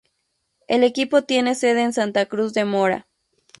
El equipo tiene sede en Santa Cruz de Mora.